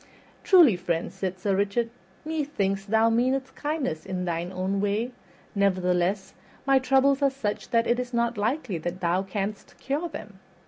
"Truly, friend," said Sir Richard, "methinks thou meanest kindness in thine own way; nevertheless my troubles are such that it is not likely that thou canst cure them.